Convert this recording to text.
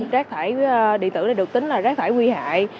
rác thải điện tử này được tính là rác thải nguy hại